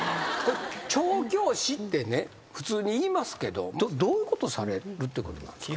調教師ってね普通にいいますけどどういうことされるってことなんですか？